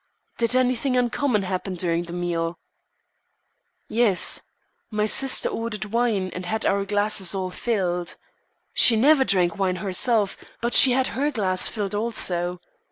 "Did anything uncommon happen during the meal?" "Yes, my sister ordered wine, and had our glasses all filled. She never drank wine herself, but she had her glass filled also.